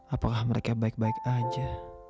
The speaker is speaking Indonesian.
apakah mereka baik baik aja